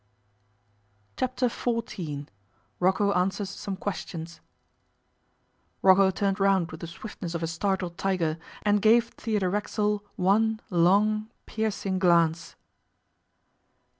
Chapter Fourteen ROCCO ANSWERS SOME QUESTIONS ROCCO turned round with the swiftness of a startled tiger, and gave Theodore Racksole one long piercing glance.